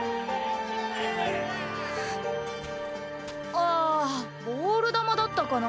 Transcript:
あボール球だったかな。